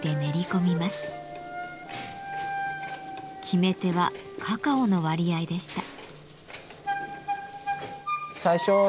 決めてはカカオの割合でした。